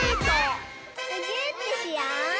むぎゅーってしよう！